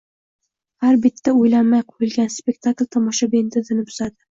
Har bitta o‘ylanmay qo‘yilgan spektakl tomoshabin didini buzadi.